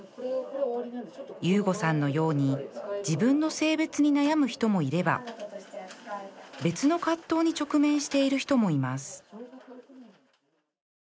悠悟さんのように自分の性別に悩む人もいれば別の葛藤に直面している人もいます